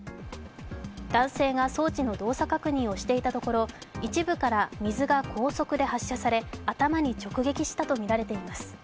男性が装置の動作確認をしていたところ一部から水が高速で発射され頭に直撃したとみられています。